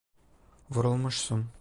Vurulmuşsun.